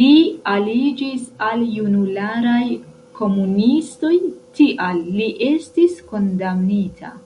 Li aliĝis al junularaj komunistoj, tial li estis kondamnita.